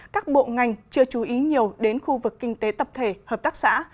các bộ ngành chưa chú ý nhiều đến khu vực kinh tế tập thể hợp tác xã